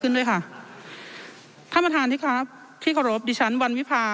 ด้วยค่ะท่านประธานที่ครับที่เคารพดิฉันวันวิพา